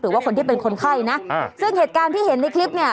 หรือว่าคนที่เป็นคนไข้นะอ่าซึ่งเหตุการณ์ที่เห็นในคลิปเนี่ย